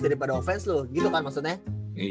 daripada offense loh gitu kan maksudnya